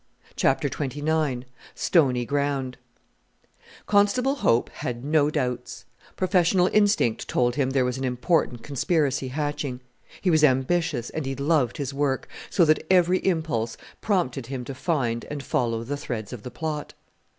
CHAPTER XXIX STONY GROUND Constable Hope had no doubts. Professional instinct told him there was an important conspiracy hatching. He was ambitious, and he loved his work, so that every impulse prompted him to find and follow the threads of the plot.